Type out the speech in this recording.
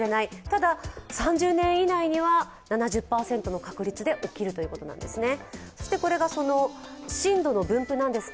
ただ、３０年以内には７０％の確率で起きるということなんですね。